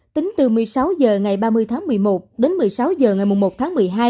tính từ một mươi sáu h ngày ba mươi tháng một mươi một đến một mươi sáu h ngày một tháng một mươi hai